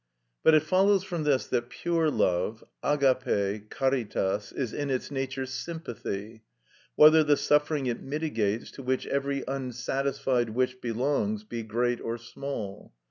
But it follows from this that pure love (αγαπη, caritas) is in its nature sympathy; whether the suffering it mitigates, to which every unsatisfied wish belongs, be great or small.